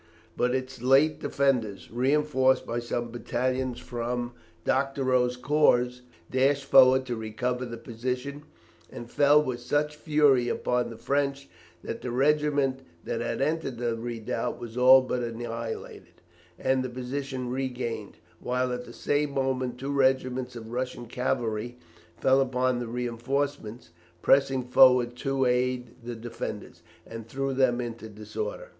But its late defenders, reinforced by some battalions from Doctorow's corps, dashed forward to recover the position, and fell with such fury upon the French that the regiment that had entered the redoubt was all but annihilated, and the position regained, while at the same moment two regiments of Russian cavalry fell upon reinforcements pressing forward to aid the defenders, and threw them into disorder.